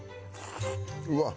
うわっ！